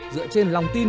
dựa trên lòng tin